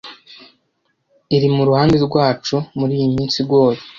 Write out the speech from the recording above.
Iri mu ruhande rwacu muri iyi minsi igoye